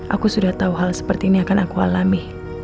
aku sudah tahu hal seperti ini akan aku alami